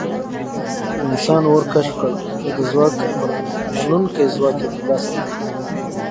انسان اور کشف کړ او د ځواک امرمنونکی ځواک یې تر لاسه کړ.